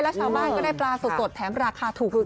แล้วชาวบ้านก็ได้ปลาสดแถมราคาถูกรุม